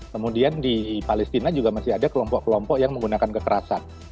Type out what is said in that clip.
kemudian di palestina juga masih ada kelompok kelompok yang menggunakan kekerasan